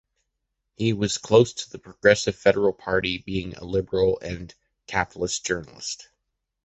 He was close to the Progressive Federal Party being a liberal and capitalist journalist.